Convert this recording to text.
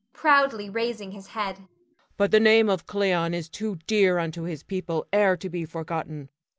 [Proudly raising his head.] But the name of Cleon is too dear unto his people e'er to be forgotten.